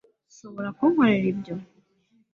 Ushobora kunkorera ibyo?